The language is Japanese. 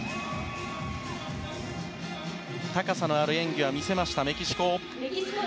高さのある演技は見せました、メキシコ。